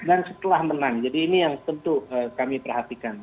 dan setelah menang jadi ini yang tentu kami perhatikan